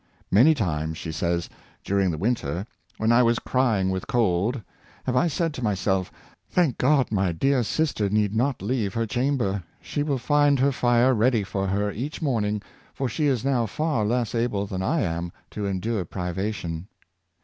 " Many times, " she says, " during the win ter, when I was crying with cold, have I said to my self, ' Thank God, my dear sister need not leave her chamber; she will find her fire ready for her each morn ing, for she is now far less able than I am to endure privation.